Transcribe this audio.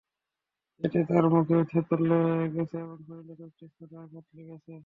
এতে তাঁর মুখ থেঁতলে গেছে এবং শরীরের কয়েকটি স্থানে আঘাত লেগেছে।